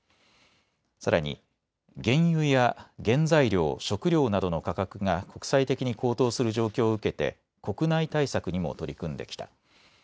さらに原油や原材料、食料などの価格が国際的に高騰する状況を受けて国内対策にも取り組んできた。